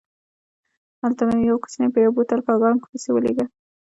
هملته مې یو کوچنی په یو بوتل کاګناک پسې ولېږه.